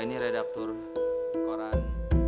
ini redaktur koran